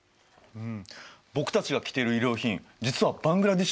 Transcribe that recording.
うん。